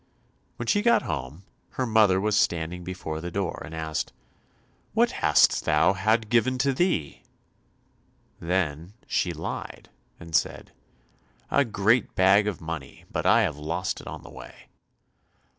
When she got home, her mother was standing before the door, and asked, "What hast thou had given to thee?" Then she lied and said, "A great bag of money, but I have lost it on the way."